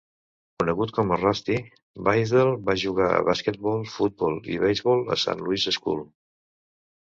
Conegut com "Rusty", Blaisdell va jugar a basquetbol, futbol i beisbol a Saint Louis School.